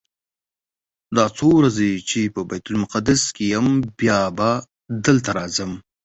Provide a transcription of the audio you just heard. دا څو ورځې چې په بیت المقدس کې یم بیا به دلته راځم.